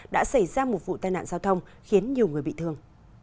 đã xảy ra một vụ tai nạn giao thông khiến nhiều người bị thương